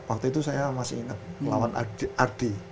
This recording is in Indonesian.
waktu itu saya masih ingat melawan ardi